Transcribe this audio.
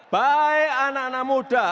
baik anak anak muda